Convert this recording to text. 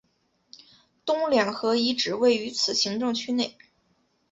东两河遗址位于此行政区内。